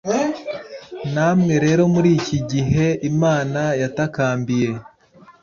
namwe rero muri iki gihe imana yatakambiye